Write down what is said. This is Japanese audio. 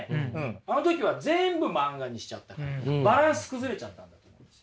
あの時は全部漫画にしちゃったからバランス崩れちゃったんだと思います。